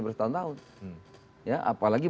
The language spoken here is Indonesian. berusaha setahun tahun apalagi